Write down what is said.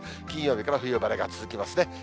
金曜日から冬晴れが続きますね。